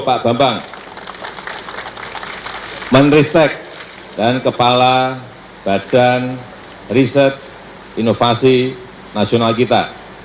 pak bambang menteri sek dan kepala badan riset inovasi nasional kita